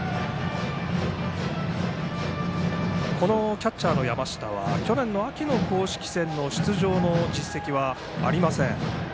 キャッチャーの山下は去年秋の公式戦の出場の実績はありません。